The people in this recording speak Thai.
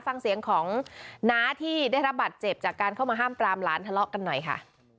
ฟังเสียงของน้าที่ได้รับบัตรเจ็บจากการเข้ามาห้ามปรามหลานทะเลาะกันหน่อยค่ะ